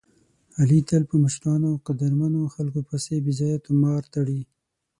علي تل په مشرانو او قدرمنو خلکو پسې بې ځایه طومار تړي.